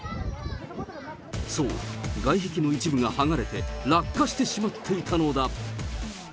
そう、外壁の一部が剥がれて、落下してしまっていたのだ。